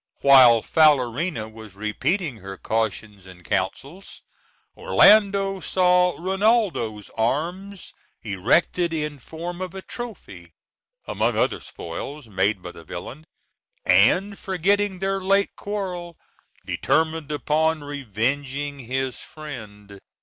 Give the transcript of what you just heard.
While Falerina was repeating her cautions and her counsels Orlando saw Rinaldo's arms erected in form of a trophy, among other spoils made by the villain, and, forgetting their late quarrel, determined upon revenging his friend.